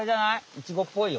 イチゴっぽいよ？